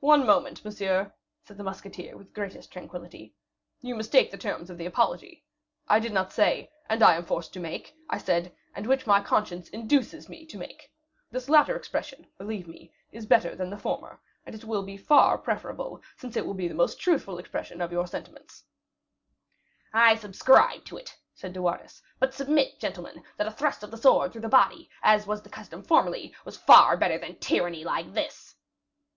"One moment, monsieur," said the musketeer, with the greatest tranquillity, "you mistake the terms of the apology. I did not say, 'and which I am forced to make'; I said, 'and which my conscience induces me to make.' This latter expression, believe me, is better than the former; and it will be far preferable, since it will be the most truthful expression of your own sentiments." "I subscribe to it," said De Wardes; "but submit, gentlemen, that a thrust of the sword through the body, as was the custom formerly, was far better than tyranny like this."